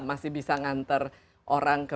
masih bisa ngantar orang ke